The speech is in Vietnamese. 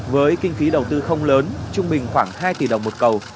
với kinh phí đầu tư không lớn trung bình khoảng hai tỷ đồng một cầu